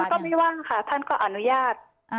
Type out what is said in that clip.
ก็ไม่ว่างค่ะท่านก็อนุญาต